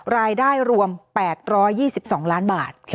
รายได้รวม๘๒๒ล้านบาท